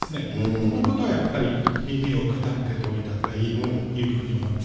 このことはやっぱり、耳を傾けておいたほうがいいというふうに思うんです。